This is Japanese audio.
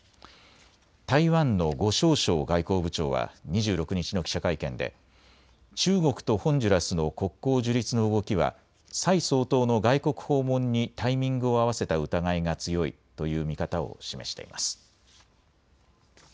台湾の呉しょう燮外交部長は２６日の記者会見で中国とホンジュラスの国交樹立の動きは蔡総統の外国訪問にタイミングを合わせた疑いが強いという見方を示しています。